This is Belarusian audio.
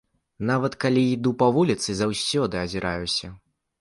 Нават, калі іду па вуліцы, заўсёды азіраюся.